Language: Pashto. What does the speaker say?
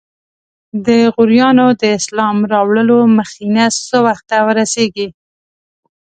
د غوریانو د اسلام راوړلو مخینه څه وخت ته رسیږي؟